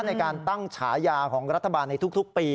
ในการตั้งฉายาของรัฐบาลในทุกปี